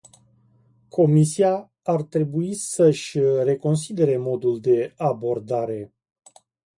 Comisia ar trebui să-și reconsidere modul de abordare.